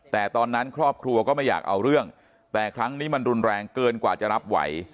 แต่ตอนนั้นครอบครัวก็ไม่อยากเอาเรื่องแต่ครั้งนี้มันรุนแรงเกินกว่าจะรับไหว